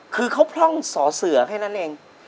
คือเขาพร่องสอเสือแค่นั้นเอง